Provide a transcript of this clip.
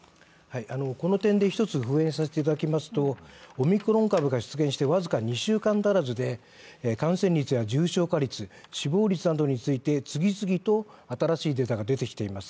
この点で１つ、付言させていただきますと、オミクロン株が出現して僅か２週間足らずで感染率や重症化率、死亡率などについて、次々と新しいデータが出てきています。